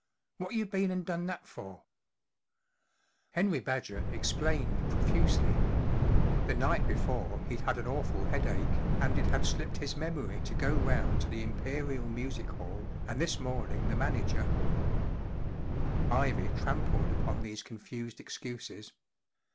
What you been and done that for ?" Henry Badger explained profusely. The night ILLUSTRATED BY E* G. OAKDALE before he'd had an awful headache, and it had slipped his memory to go round to the Imperial Music Hall, and this morning the manager —— Ivy trampled upon these confused excuses.